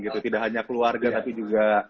tidak hanya keluarga tapi juga